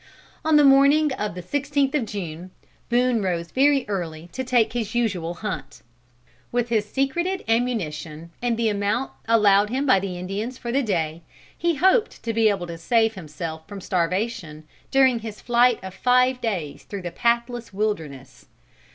On the morning of the sixteenth of June, Boone rose very early to take his usual hunt. With his secreted ammunition, and the amount allowed him by the Indians for the day, he hoped to be able to save himself from starvation, during his flight of five days through the pathless wilderness.